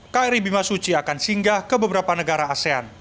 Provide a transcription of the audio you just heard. kri bimasuci akan singgah ke beberapa negara asean